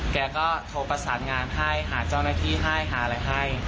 แกก็โทรประสานงานให้หาเจ้าหน้าที่ให้หาอะไรให้